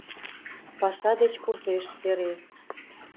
Паша деч куржеш эре